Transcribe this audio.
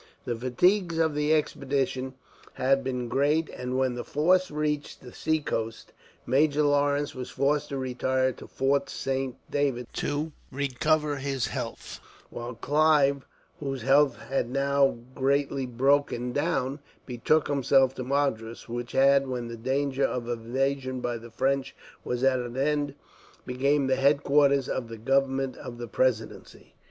The fatigues of the expedition had been great and, when the force reached the seacoast, Major Lawrence was forced to retire to Fort Saint David to recover his health; while Clive, whose health had now greatly broken down, betook himself to Madras; which had, when the danger of invasion by the French was at an end, become the headquarters of the government of the presidency.